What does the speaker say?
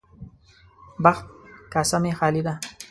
بخت کاسه مې خالي ده.